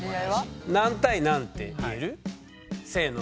何対何って言える？せの！